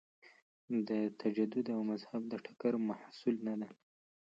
د تجدد او مذهب د ټکر محصول نه دی.